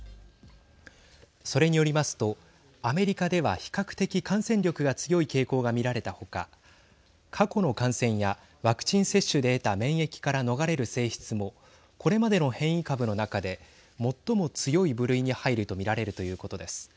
それによりますとアメリカでは比較的感染力が強い傾向が見られた他過去の感染やワクチン接種で得た免疫から逃れる性質もこれまでの変異株の中で最も強い部類に入ると見られるということです。